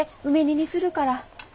梅煮にするから。